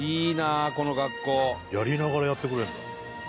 やりながらやってくれるんだ。